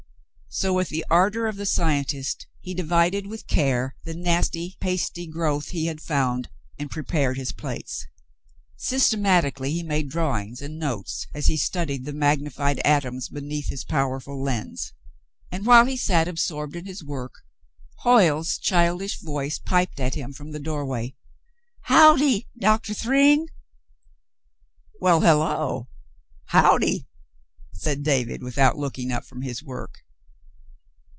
So, with the ardor of the scientist, he divided with care the nasty, pasty growth he had found and prepared his plates. Systemati cally he made drawings and notes as he studied the mag nified atoms beneath his powerful lens, and while he sat absorbed in his work, Hoyle's childish voice piped at him from the doorway. "Howdy, Doctah Thryng." Hoyle visits David 149 '*Why, hello! Howdy!" said David, without looking up from his work.